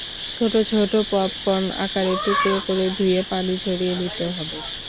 ছোট ছোট পপকর্ন আকারে টুকরা করে ধুয়ে পানি ঝরিয়ে নিতে হবে।